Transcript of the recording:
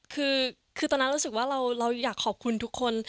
คือตอนนั้นรู้สึกว่าเราอยากขอบคุณทุกคน